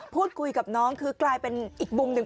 พูดคุยกับน้องคือกลายเป็นอีกมุมหนึ่ง